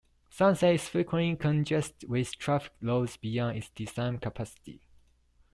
Sunset is frequently congested with traffic loads beyond its design capacity.